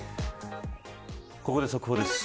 ここで速報です。